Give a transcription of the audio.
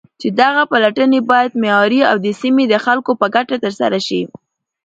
چې دغه پلټنې بايد معياري او د سيمې د خلكو په گټه ترسره شي.